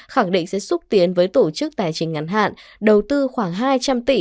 khẳng định sẽ xúc tiến với tổ chức tài chính ngắn hạn đầu tư khoảng hai trăm linh tỷ